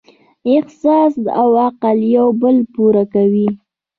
احساس او عقل یو بل پوره کوي.